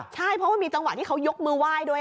ใช่เพราะว่ามีจังหวะที่เขายกมือไหว้ด้วย